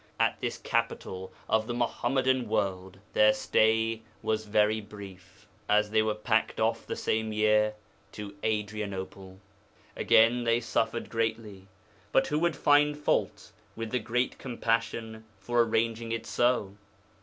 At this capital of the Muḥammadan world their stay was brief, as they were 'packed off' the same year to Adrianople. Again they suffered greatly. But who would find fault with the Great Compassion for arranging it so?